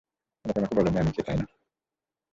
ওরা তোমাকে বলেনি আমি কে, তাই না?